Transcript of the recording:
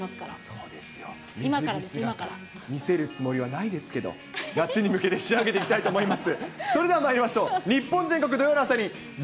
そうですよ、水着姿、今から、見せるつもりはないですけど、夏に向けて仕上げていきたいと思います。